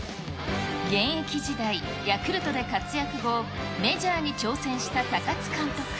現役時代、ヤクルトで活躍後、メジャーに挑戦した高津監督。